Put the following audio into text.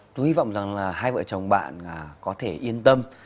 tôi hy vọng rằng là hai vợ chồng bạn có thể yên tâm